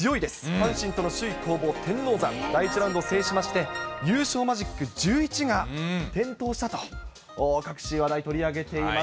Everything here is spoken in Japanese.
阪神との首位攻防天王山、第１ラウンドを制しまして、優勝マジック１１が点灯したと、各紙話題、取り上げています。